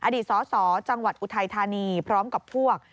อดีตสสจังหวัดอุทัยธานีพร้อมกับพวก